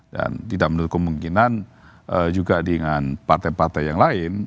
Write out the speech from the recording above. dan tidak menurut kemungkinan juga dengan partai partai yang lain